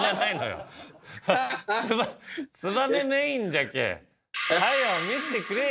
ツバメメインじゃけぇ。